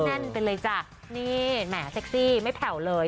แน่นไปเลยจ้ะนี่แหมเซ็กซี่ไม่แผ่วเลย